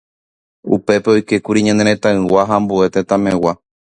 Upépe oikékuri ñane retãygua ha ambue tetãmegua.